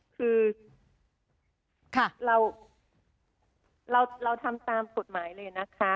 คือเราทำตามกฎหมายเลยนะคะ